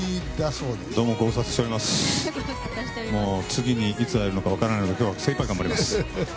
次にいつ会えるのか分からないので今日は精いっぱい頑張ります。